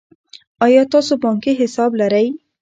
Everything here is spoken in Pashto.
آیا تاسو بانکي حساب لرئ.